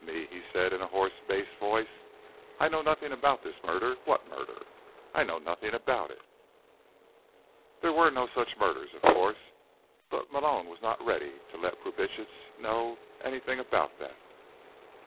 "Me?" he said in a hoarse bass voice. "I know nothing about this murder. What murder? I know nothing about it." There were no such murders, of course. But Malone was not ready to let Brubitsch know anything about that.